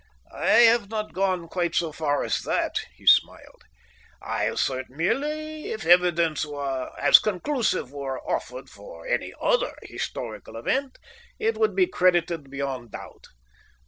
"I have not gone quite so far as that," he smiled. "I assert merely that, if evidence as conclusive were offered of any other historical event, it would be credited beyond doubt.